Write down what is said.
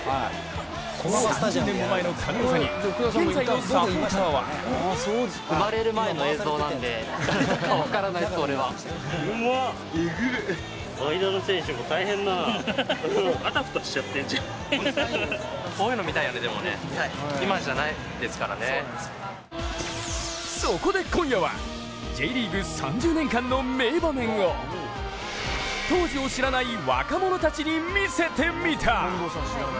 ３０年も前の神業に現在のサポーターはそこで今夜はＪリーグ３０年間の名場面を当時を知らない若者たちに見せてみた。